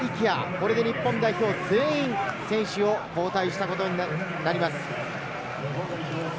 これで日本代表、全員選手を交代したことになります。